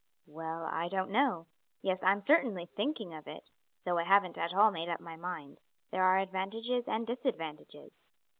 "Well, I don't know. Yes, I am certainly thinking of it, though I haven't at all made up my mind. There are advantages and disadvantages."